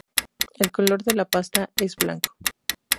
El color de la pasta es blanco.